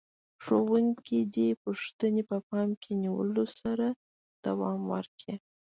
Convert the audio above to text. ښوونکي دې پوښتنې په پام کې نیولو سره دوام ورکړي.